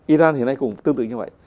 iran hiện nay cũng tương tự như vậy